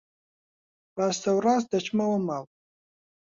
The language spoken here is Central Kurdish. ڕاستەوڕاست دەچمەوە ماڵ.